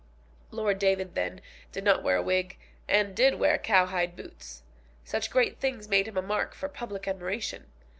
Lord David, then, did not wear a wig, and did wear cowhide boots. Such great things made him a mark for public admiration.